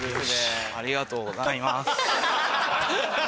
ありがとうございます。